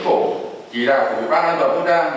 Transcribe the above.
trước khi thực hiện cao điểm